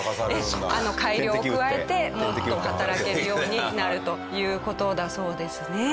改良を加えてもっと働けるようになるという事だそうですね。